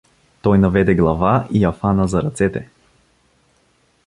Той наведе глава и я фана за ръцете.